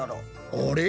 あれ？